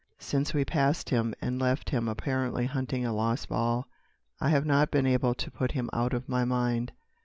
Since we passed him and left him apparently hunting a lost ball, I have not been able to put him out of my mind."